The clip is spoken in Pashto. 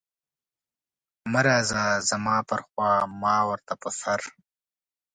مه راځه زما پر خوا ما ورته په سر.